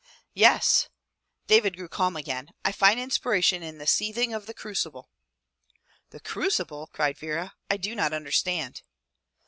"Yes," David grew calm again. "I find inspiration in the seething of the crucible." "The crucible!" cried Vera. "I do not understand."